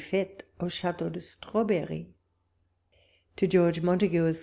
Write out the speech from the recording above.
tetk au chateau de STRABERRi:' To George Montagu, Esq.